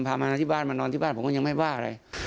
พามาที่บ้านมานอนที่บ้านผมก็ยังไม่บ้าอะไร